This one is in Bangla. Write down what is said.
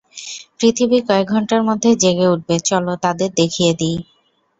পৃথিবী কয়েক ঘন্টার মধ্যেই জেগে উঠবে, চলো তাদের দেখিয়ে দিই।